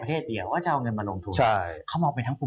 ประเทศเอาเงินมาลงทุน